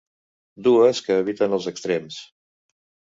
Dues que eviten els extrems.